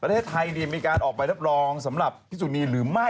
ประเทศไทยมีการออกใบรับรองสำหรับพี่สุนีหรือไม่